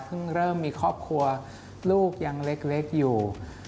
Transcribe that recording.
เริ่มมีครอบครัวลูกยังเล็กอยู่